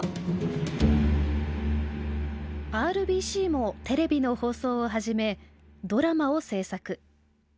ＲＢＣもテレビの放送を始めドラマを制作。